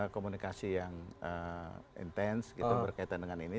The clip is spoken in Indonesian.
komunikasi yang intens gitu berkaitan dengan ini